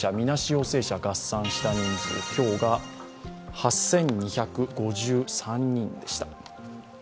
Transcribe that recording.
陽性者合算した人数今日が８２５３人でした。